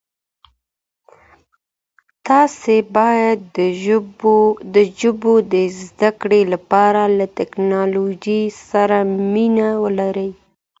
تاسي باید د ژبو د زده کړې لپاره له ټکنالوژۍ سره مینه ولرئ.